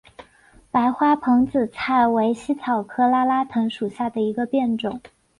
白花蓬子菜为茜草科拉拉藤属下的一个变种。